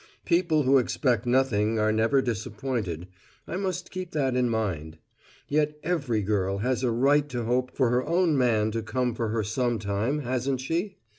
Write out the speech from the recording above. People who expect nothing are never disappointed I must keep that in mind. Yet every girl has a right to hope for her own man to come for her some time, hasn't she?